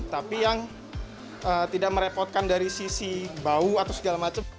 tapi yang tidak merepotkan dari sisi bau atau segala macam